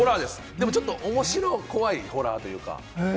でもちょっと面白怖いホラーというか。